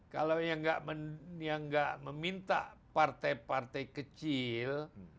kalau yang tidak meminta partai partai kecil